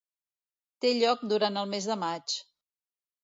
Té lloc durant el mes de maig.